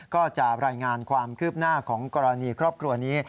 ก็จะรายงานความคืบหน้าของกรณีครอบครัวนี้